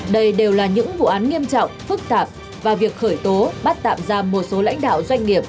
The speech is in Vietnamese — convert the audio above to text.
đây đều là những vụ án nghiêm trọng phức tạp và việc khởi tố bắt tạm ra một số lãnh đạo doanh nghiệp